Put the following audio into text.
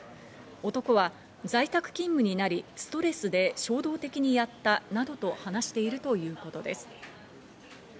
男は在宅勤務になり、ストレスで衝動的にやったなどと話しているということです。